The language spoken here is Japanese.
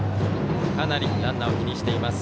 かなりランナーを気にしています。